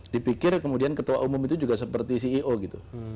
dipikir kemudian ketua umum itu juga seperti ceo gitu